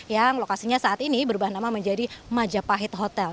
yang lokasinya saat ini berubah nama menjadi majapahit hotel